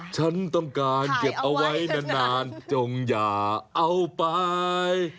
ฉันต้องการเก็บเอาไว้นานจงอย่าเอาไป